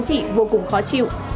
chị vô cùng khó chịu